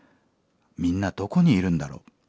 みんなどこにいるんだろう。